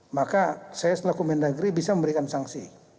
maka saya selaku mendagri bisa memberikan sanksi